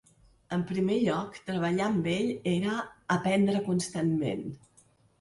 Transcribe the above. En primer lloc, treballar amb ell era aprendre constantment.